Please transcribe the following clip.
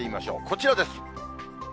こちらです。